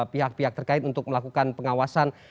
pihak pihak terkait untuk melakukan pengawasan